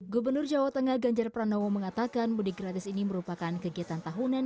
gubernur jawa tengah ganjar pranowo mengatakan mudik gratis ini merupakan kegiatan tahunan